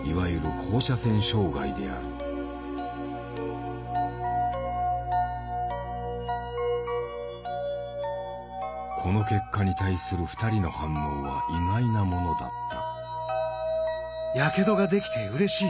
いわゆるこの結果に対する２人の反応は意外なものだった。